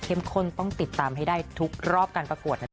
ข้นต้องติดตามให้ได้ทุกรอบการประกวดนะจ